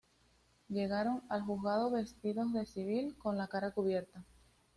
Llegaron al juzgado vestidos de civil con la cara cubierta.